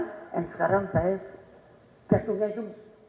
dan sekarang saya jantungnya itu